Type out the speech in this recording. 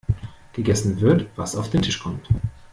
Gegessen wird, was auf den Tisch kommt.